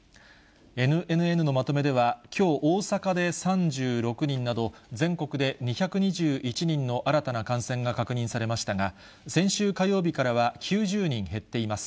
ＮＮＮのまとめでは、きょう大阪で３６人など、全国で２２１人の新たな感染が確認されましたが、先週火曜日からは９０人減っています。